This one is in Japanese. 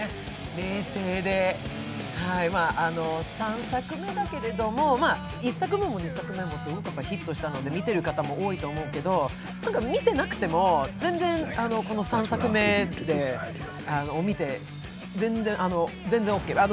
冷静で、３作目だけど、１作目も２作目もヒットしたので見てる方も多いと思うけど、見てなくてもこの３作目を見て、全然オーケー。